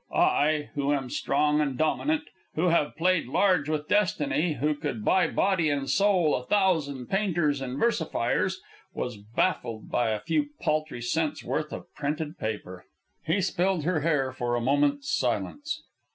I, who am strong and dominant, who have played large with destiny, who could buy body and soul a thousand painters and versifiers, was baffled by a few paltry cents' worth of printed paper!" He spilled her hair for a moment's silence.